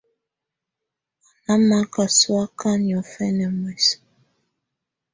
Á ná maka sɔ̀áka niɔ̀fɛna muɛsɛ.